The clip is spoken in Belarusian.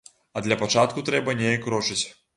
А для пачатку трэба неяк крочыць.